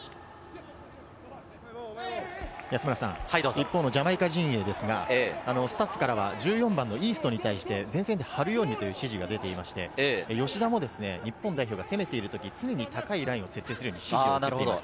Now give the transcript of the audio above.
一方のジャマイカ陣営ですが、スタッフからは１４番のイーストに対して前線で張るようにという指示が出ていまして、吉田も日本代表が攻めている時、常に高いラインを設定するよう言われています。